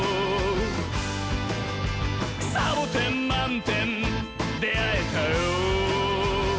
「サボテンまんてんであえたよ」